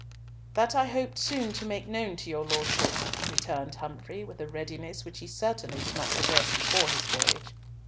"That I hope soon to make known to your Lordship," returned Humfrey, with a readiness which he certainly did not possess before his voyage.